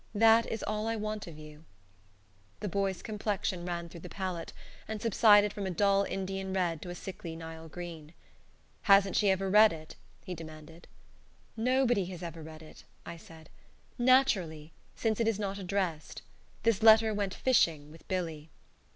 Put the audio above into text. That is all I want of you." The boy's complexion ran through the palette, and subsided from a dull Indian red to a sickly Nile green. "Hasn't she ever read it?" he demanded. "Nobody has ever read it," I said. "Naturally since it is not addressed. This letter went fishing with Billy."